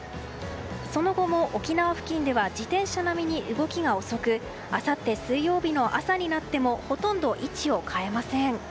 その後も沖縄付近では自転車並みに動きが遅くあさって水曜日の朝になってもほとんど位置を変えません。